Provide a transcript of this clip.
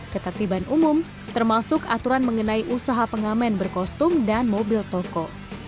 ketertiban umum termasuk aturan mengenai usaha pengamen berkostum dan mobil toko